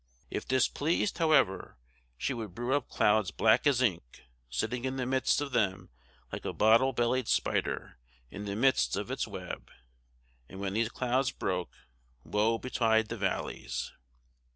If displeased, however, she would brew up clouds black as ink, sitting in the midst of them like a bottle bellied spider in the midst of its web; and when these clouds broke, woe betide the valleys!